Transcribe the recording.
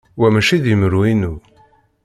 Wa maci d imru-inu.